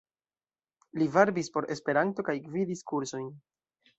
Li varbis por Esperanto kaj gvidis kursojn.